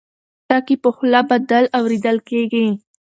ټکي په خوله بدل اورېدل کېږي.